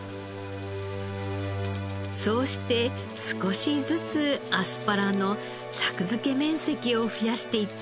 そうして少しずつアスパラの作付面積を増やしていったのです。